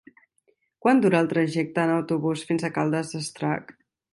Quant dura el trajecte en autobús fins a Caldes d'Estrac?